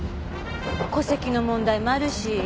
戸籍の問題もあるし。